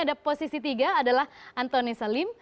ada posisi tiga adalah antoni salim